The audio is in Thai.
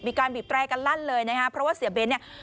มีการบีบแตรกันลั่นเลยนะฮะเพราะว่าเสียเบ้นเนี่ย